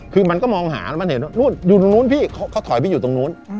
คือมันก็มองหาแล้วมันเห็นนู่นอยู่ตรงนู้นพี่เขาถอยไปอยู่ตรงนู้น